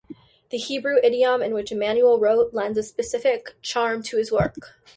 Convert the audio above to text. The Hebrew idiom in which Immanuel wrote lends a special charm to his work.